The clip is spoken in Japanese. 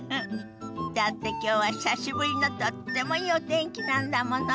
だってきょうは久しぶりのとってもいいお天気なんだもの。